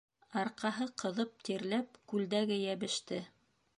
Арҡаһы ҡыҙып тирләп, күлдәге йәбеште.